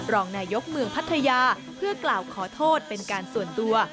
รองนายกเมืองพัทยาเพื่อกล่าวขอโทษเป็นการส่วนตัว